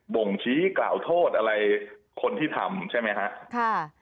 บ่งชี้กล่าวโทษอะไรคนที่ทำใช่ไหมครับ